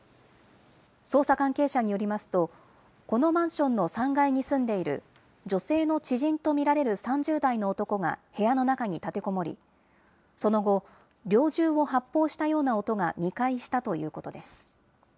捜査関係者によりますと、このマンションの３階に住んでいる女性の知人と見られる３０代の男が部屋の中に立てこもり、その後、猟銃を発砲したような音が２回したということです。